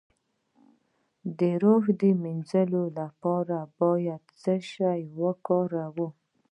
د روح د مینځلو لپاره باید څه شی وکاروم؟